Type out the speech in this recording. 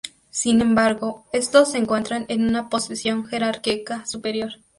Sin embargo, estos se encuentran en una posición jerárquica superior.